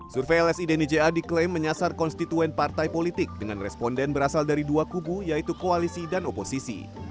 survei lsi dnija diklaim menyasar konstituen partai politik dengan responden berasal dari dua kubu yaitu koalisi dan oposisi